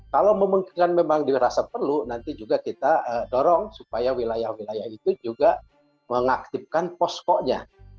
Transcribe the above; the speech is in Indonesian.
kalau memungkinkan memang dirasa perlu nanti juga kita dorong supaya wilayah wilayah itu juga mengaktifkan poskonya